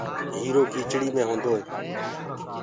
هيٚرو ڪيٚچڙي مي هونٚدوئي